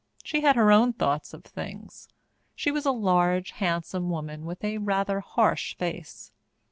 She had her own thoughts of things. She was a large, handsome woman with a rather harsh face.